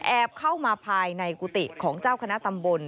เข้ามาภายในกุฏิของเจ้าคณะตำบล